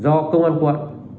do công an quận